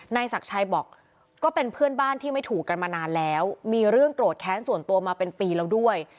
ศักดิ์ชัยบอกก็เป็นเพื่อนบ้านที่ไม่ถูกกันมานานแล้วมีเรื่องโกรธแค้นส่วนตัวมาเป็นปีแล้วด้วย